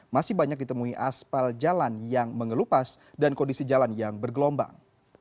masih banyak ditemui aspal jalan yang mengelupas dan kondisi jalan yang bergelombang